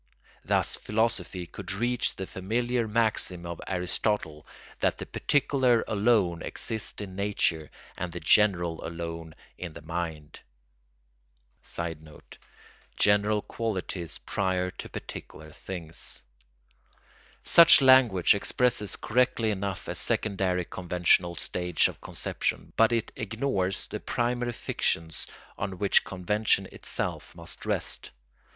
Thus philosophy could reach the familiar maxim of Aristotle that the particular alone exists in nature and the general alone in the mind. [Sidenote: General qualities prior to particular things.] Such language expresses correctly enough a secondary conventional stage of conception, but it ignores the primary fictions on which convention itself must rest.